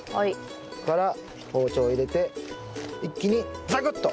ここから包丁を入れて一気にザクッと！